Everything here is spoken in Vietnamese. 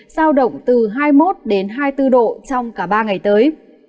sao động từ hai mươi một hai mươi bốn độ trong cả ba ngày tới